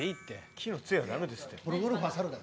木のつえは駄目ですって。